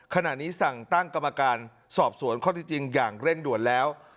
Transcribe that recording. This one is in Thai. ขณะนี้สั่งตั้งกรรมการสอบสวนข้อที่จริงอย่างเร่งด่วนแล้ว